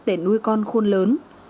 để nuôi con khôn lớn